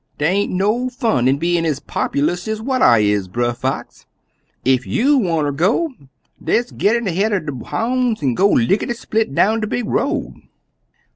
Dey aint no fun in bein' ez populous ez what I is, Brer Fox. Ef you wanter go, des git in ahead er de houn's an' go lickity split down de big road!'